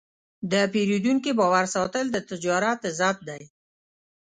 د پیرودونکي باور ساتل د تجارت عزت دی.